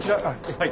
はい。